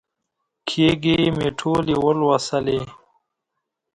کېږې مې ټولې ولوسلې.